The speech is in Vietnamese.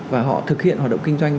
và họ thực hiện hoạt động kinh doanh